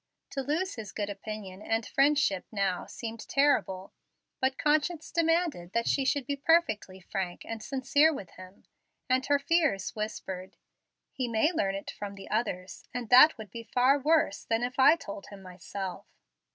To lose his good opinion and friendship now seemed terrible. But conscience demanded that she should be perfectly frank and sincere with him, and her fears whispered, "He may learn it from the others, and that would be far worse than if I told him myself."